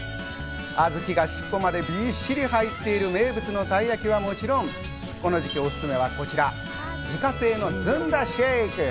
あずきがしっぽまでびっしり入っている、名物のたい焼はもちろん、この時期おすすめはこちら、自家製のずんだシェイク。